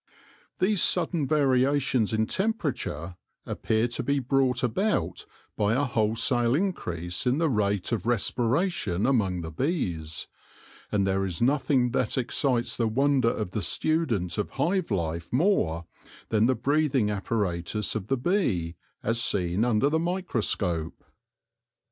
These sudden variations in temperature appear to be brought about by a wholesale increase in the rate of respiration among the bees ; and there is nothing that excites the wonder of the student of hive life more than the breathing apparatus of the bee, as seen under the microscope.